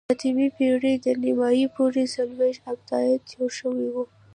د اتمې پېړۍ تر نیمايي پورې څلوېښت ابدات جوړ شوي وو.